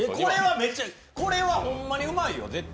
これは、ほんまにうまいよ絶対。